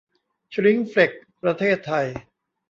ชริ้งเฟล็กซ์ ประเทศไทย